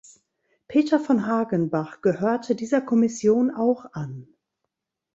Peter von Hagenbach gehörte dieser Kommission auch an.